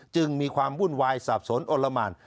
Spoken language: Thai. จึงมีความวุ่นวายสาบสนอนละหมาน